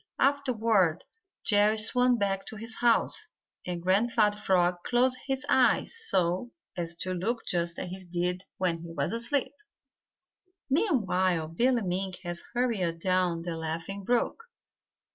Afterward Jerry swam back to his house, and Grandfather Frog closed his eyes so as to look just as he did when he was asleep. Meanwhile Billy Mink had hurried down the Laughing Brook.